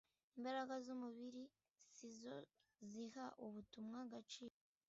Imbaraga z’umubiri si zo ziha ubutumwa agaciro